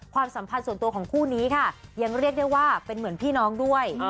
ความสัมพันธ์ส่วนตัวของคู่นี้ค่ะยังเรียกได้ว่าเป็นเหมือนพี่น้องด้วย